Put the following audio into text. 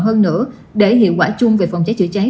hơn nữa để hiệu quả chung về phòng cháy chữa cháy